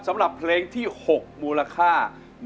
สำหรับเพลงที่๖มูลค่า